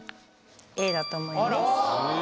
Ａだと思います